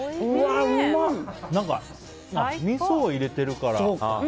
何か、みそを入れてるから。